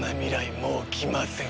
もう来ません。